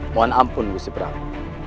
mohon ampun puski prabu